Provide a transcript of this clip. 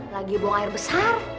lagi bong air besar